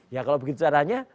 ya kalau begitu caranya